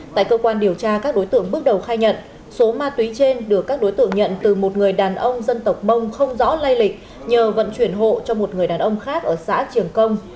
tại cơ quan điều tra các đối tượng bước đầu khai nhận số ma túy trên được các đối tượng nhận từ một người đàn ông dân tộc mông không rõ lây lịch nhờ vận chuyển hộ cho một người đàn ông khác ở xã trường công